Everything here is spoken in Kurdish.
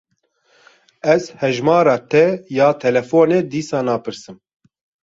Ez hejmara te ya telefonê dîsa napirsim.